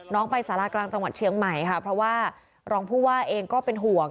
ไปสารากลางจังหวัดเชียงใหม่ค่ะเพราะว่ารองผู้ว่าเองก็เป็นห่วง